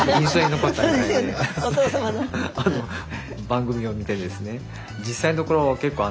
番組を見てですね。